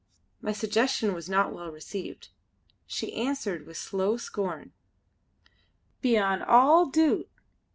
My suggestion was not well received. She answered with slow scorn: "Beyon' all doot!